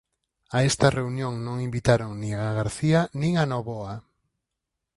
A esta reunión non invitaron nin a García nin a Novoa.